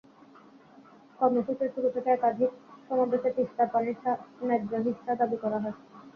কর্মসূচির শুরু থেকে একাধিক সমাবেশে তিস্তার পানির ন্যায্য হিস্যা দাবি করা হয়।